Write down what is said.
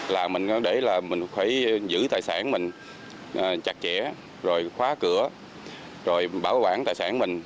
là mình để là mình phải giữ tài sản mình chặt chẽ rồi khóa cửa rồi bảo quản tài sản mình